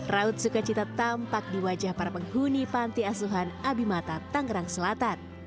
raut sukacita tampak di wajah para penghuni panti asuhan abimata tangerang selatan